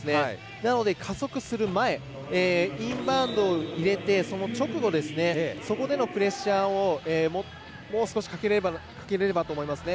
なので、加速する前インバウンドを入れてその直後そこでのプレッシャーをもう少しかけられればと思います。